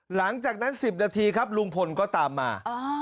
หลังจากนั้น๑๐นาทีครับลุงพลก็ตามมา